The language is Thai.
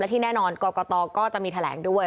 ที่แน่นอนกรกตก็จะมีแถลงด้วย